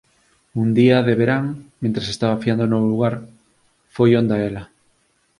Un día de verán, mentres estaba fiando no luar, foi onda ela.